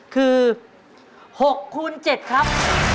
คือ๖คูณ๗ครับ